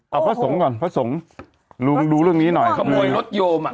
เอาพระสงฆ์ก่อนพระสงฆ์ลุงดูเรื่องนี้หน่อยขโมยรถโยมอ่ะ